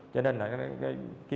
cho nên là cái